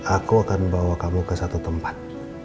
aku akan bawa kamu ke satu tempat